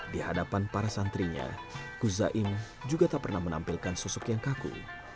di hadapan para santrinya gus zaim juga tak pernah menampilkan sosok yang kaku